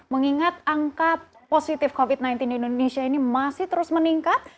mengingat angka positif covid sembilan belas di indonesia ini masih terus meningkat